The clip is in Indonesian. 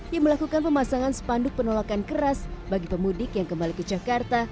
yang melakukan pemasangan spanduk penolakan keras bagi pemudik yang kembali ke jakarta